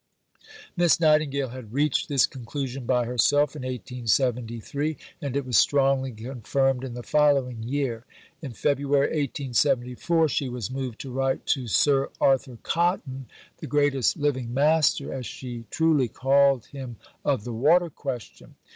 Miss Nightingale had reached this conclusion by herself in 1873, and it was strongly confirmed in the following year. In February 1874 she was moved to write to Sir Arthur Cotton, "the greatest living master," as she truly called him, "of the Water Question."